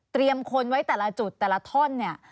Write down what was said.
คนไว้แต่ละจุดแต่ละท่อนเนี่ย